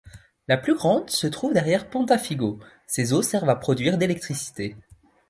La plus grande se trouve derrière Ponta Figo, ses eaux servent à produire d'électricité.